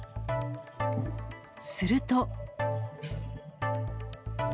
すると。